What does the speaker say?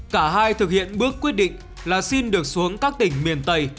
cả hai thực hiện bước quyết định là xin được xuống các tỉnh miền tây